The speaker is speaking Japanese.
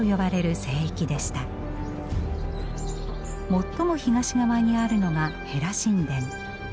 最も東側にあるのがヘラ神殿。